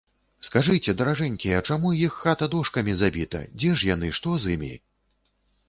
Скажыце, даражэнькія, чаму іх хата дошкамі забіта, дзе ж яны, што з імі?